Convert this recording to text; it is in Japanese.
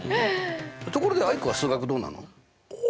ところでアイクは数学どうなの？